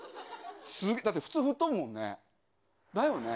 だって普通吹っ飛ぶもんね、だよね？